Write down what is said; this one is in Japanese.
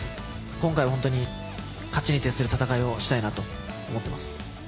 今回、本当に、勝ちに徹する戦いをしたいなと思ってます。